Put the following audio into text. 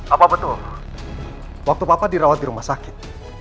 apa betul waktu bapak dirawat di rumah sakit